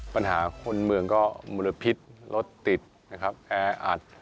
ปัญหาคนเมืองก็มุลพิษรถติดแออัด